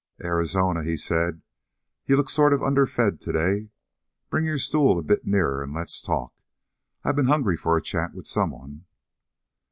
"Arizona," he said, "you look sort of underfed today. Bring your stool a bit nearer and let's talk. I been hungry for a chat with someone."